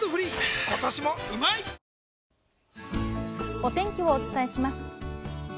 お天気をお伝えします。